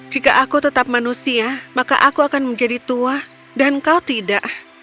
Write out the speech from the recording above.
jika aku tetap manusia maka aku akan menjadi tua dan kau tidak